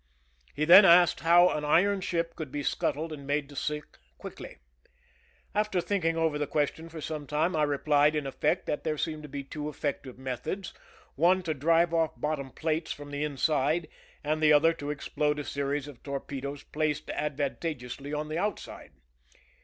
He then asked how an iron ship could be scut tled and made to sink quickly. After thinking over the question for some time I replied, in effect, that there seemed to be two effective methods, one to drive off bottom plates from the inside, and the other to explode a series of torpedoes placed advan tageously on the outside.